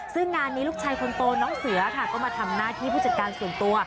ซึ่งงานนี้ลูกชายคนโตน้องเสือค่ะก็มาทำหน้าที่ผู้จัดการส่วนตัว